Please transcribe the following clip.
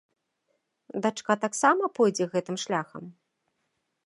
Дачка таксама пойдзе гэтым шляхам?